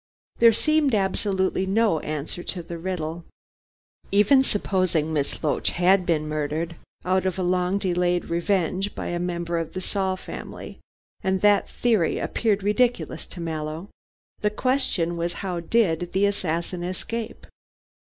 There seemed absolutely no answer to the riddle. Even supposing Miss Loach had been murdered out of a long delayed revenge by a member of the Saul family and that theory appeared ridiculous to Mallow the question was how did the assassin escape?